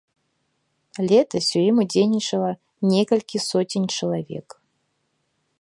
Летась у ім удзельнічала некалькі соцень чалавек.